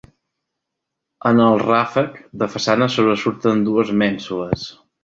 En el ràfec de façana sobresurten dues mènsules.